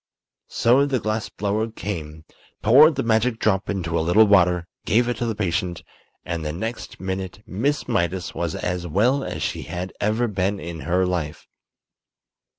So the glass blower came, poured the magic drop into a little water, gave it to the patient, and the next minute Miss Mydas was as well as she had ever been in her life.